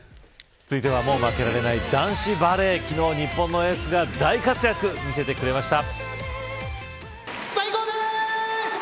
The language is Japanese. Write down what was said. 続いては、もう負けられない男子バレー昨日は日本のエースが大活躍を見せてくれました。